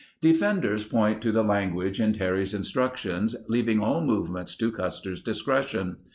Defenders point to the language in Terry's instruc tions leaving all movements to Custer's discretion.